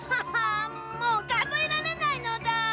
もうかぞえられないのだ！